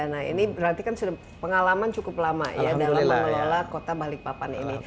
nah ini berarti kan sudah pengalaman cukup lama ya dalam mengelola kota balikpapan ini